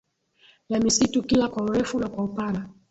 ya misitu kila kwa urefu na kwa upana